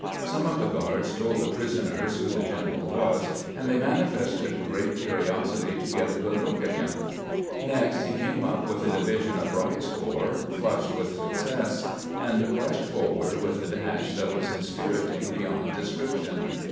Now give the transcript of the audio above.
Some of the guards told the prisoners who the general was, and they manifested great curiosity to get a good look at him. Next he came up with a division of Wright's corps, flushed with success, and rushing forward with a dash that was inspiriting beyond description.